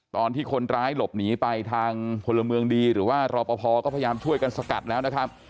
ตอนที่คนร้ายหลบหนีไปทางพลเมืองดีหรือว่ารอปภก็พยายามช่วยกันสกัดแล้วนะครับ